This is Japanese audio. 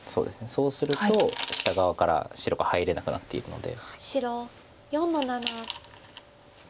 そうすると下側から白が入れなくなっているので。